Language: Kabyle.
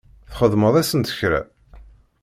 Txedmeḍ-asent kra?